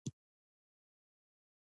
یوټیوبران له انټرنیټ پیسې ګټي